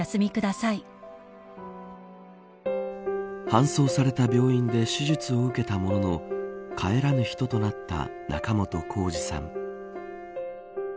搬送された病院で手術を受けたものの帰らぬ人となった仲本工事さん。